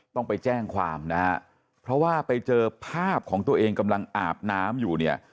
ต้องไปแจ้งความนะฮะเพราะว่าไปเจอภาพของตัวเองกำลังอาบน้ำอยู่เนี่ย